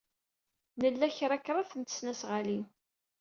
Nla kan kraḍt n tesnasɣalin.